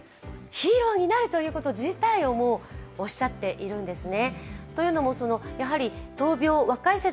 ヒーローになるということ自体をおっしゃっているんですね。